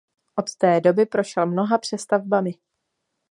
Od té doby prošel mnoha přestavbami.